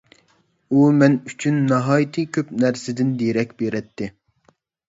ئۇ مەن ئۈچۈن ناھايىتى كۆپ نەرسىدىن دېرەك بېرەتتى.